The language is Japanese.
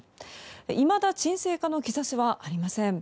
いまだ沈静化の兆しはありません。